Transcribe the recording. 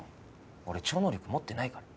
俺超能力持ってないから。